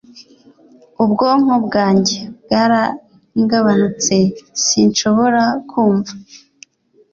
Ubwonko bwanjye bwaragabanutse sinshobora kumva